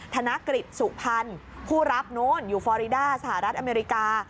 ธนกฤษสุพรรณผู้รับโน้นอยู่ฟอริดาสหรัฐอเมริกา